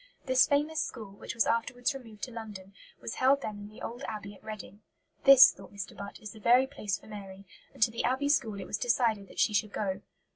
This famous school, which was afterwards removed to London, was held then in the old Abbey at Reading. "This," thought Mr. Butt, "is the very place for Mary"; and to the Abbey School it was decided that she should go.